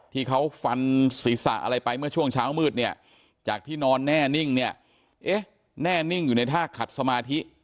ที่เขาฟันศีรษะอะไรไปเมื่อช่วงเช้ามืดเนี่ยจากที่นอนแน่นิ่งเนี่ยเอ๊ะแน่นิ่งอยู่ในท่าขัดสมาธิ